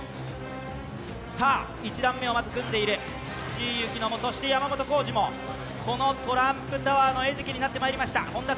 １段目をまず組んでいる、岸井ゆきのも、山本耕史も、このトランプタワーの餌食になってまいりました。